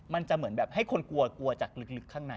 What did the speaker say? มันจะเหมือนแบบให้คนกลัวกลัวจากลึกข้างใน